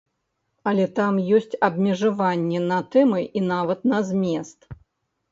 Але там ёсць абмежаванні на тэмы і нават на змест.